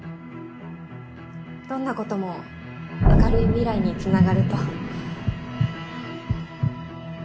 どんなことも明るい未来につながると。